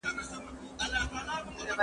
هغه په هرات کې د مېړانې نوې کيسې جوړې کړې.